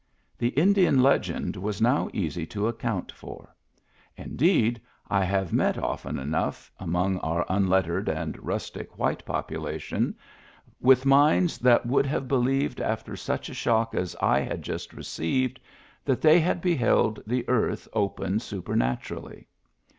The Indian legend was now easy to ac count for; indeed, I have met often enough. Digitized by Google THE GIFT HORSE 191 among our unlettered and rustic white popula tion, with minds that would have believed, after such a shock as I had just received, that they had beheld the earth open supematurally.